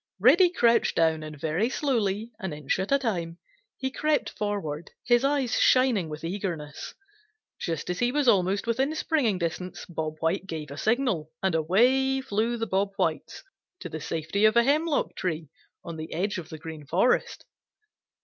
Reddy crouched down and very slowly, an inch at a time, he crept forward, his eyes shining with eagerness. Just as he was almost within springing distance, Bob White gave a signal, and away flew the Bob Whites to the safety of a hemlock tree on the edge of the Green Forest.